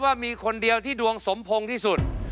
ว่ามีคนเดียวที่ดวงสมพงษ์ที่สุด